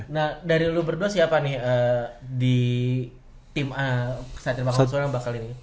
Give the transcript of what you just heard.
nah dari lu berdua siapa nih di satria bangkong solo yang bakal ini